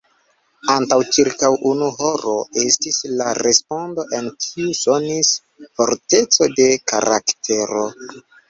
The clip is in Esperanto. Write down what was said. Antaŭ ĉirkaŭ unu horo, estis la respondo, en kiu sonis forteco de karaktero.